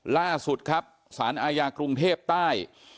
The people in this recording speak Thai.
ล่าสุดครับสารอาญากรุงเทพใต้